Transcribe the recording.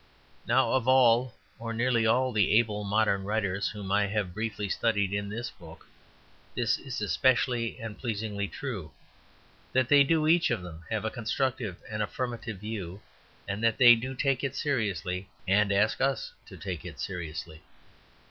Now of all, or nearly all, the able modern writers whom I have briefly studied in this book, this is especially and pleasingly true, that they do each of them have a constructive and affirmative view, and that they do take it seriously and ask us to take it seriously.